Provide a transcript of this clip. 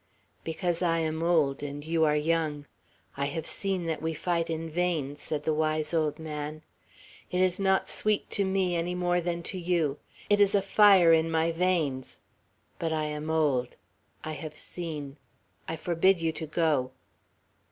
"Because I am old, and you are young. I have seen that we fight in vain," said the wise old man. "It is not sweet to me, any more than to you. It is a fire in my veins; but I am old. I have seen. I forbid you to go."